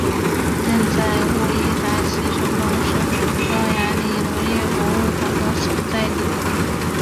现在沃伊达奇城堡是匈牙利农业博物馆的所在地。